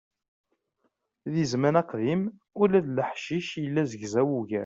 Di zzman aqdim, ula d leḥcic yella zegzaw ugar.